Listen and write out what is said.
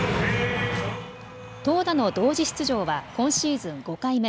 投打の同時出場は今シーズン５回目。